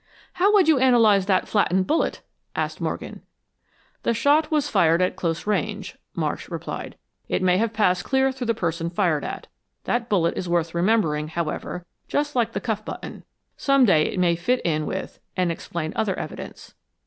"How would you analyze that flattened bullet?" asked Morgan. "The shot was fired at close range," Marsh replied. "It may have passed clear through the person fired at. That bullet is worth remembering, however, just like the cuff button. Some day it may fit in with and explain other evidence."